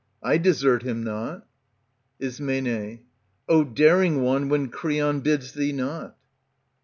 I desert him not. Ism, O daring one, when Creon bids thee not